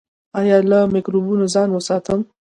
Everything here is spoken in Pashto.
ایا له مکروبونو ځان وساتم؟